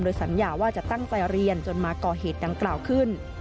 สัญญาว่าจะตั้งใจเรียนจนมาก่อเหตุดังกล่าวขึ้น